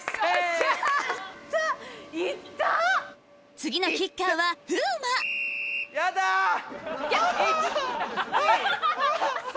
次のキッカーは風磨１・２・３。